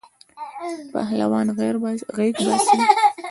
پهلوان غیږ باسی.